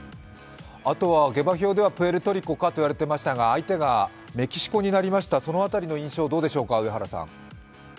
あとは下馬評ではプエルトリコかと言われていましたが相手がメキシコになりました、その辺りの印象はどうでしょうか？